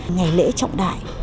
ngày lễ trọng đại